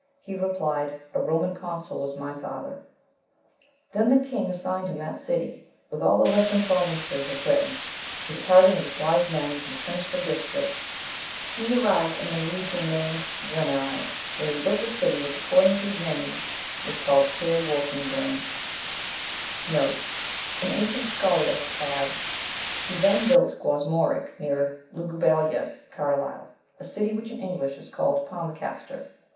he replied, "A Roman consul was my father." Then the king assigned him that city, with all the western Provinces of Britain; and departing with his wise men to the sinistral district, he arrived in the region named Gueneri, where he built a city which, according to his name, was called Cair Guorthegirn.* * An ancient scholiast adds, "He then built Guasmoric, near Lugubalia (Carlisle), a city which in English is called Palmecaster."